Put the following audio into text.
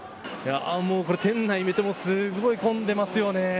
店内を見てもすごく混んでいますよね。